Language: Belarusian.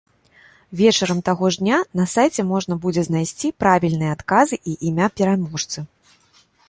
Вечарам таго ж дня на сайце можна будзе знайсці правільныя адказы і імя пераможцы.